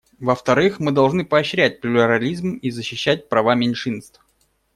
Во-вторых, мы должны поощрять плюрализм и защищать права меньшинств.